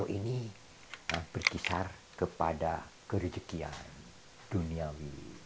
ini berkisar kepada kerejekian duniawi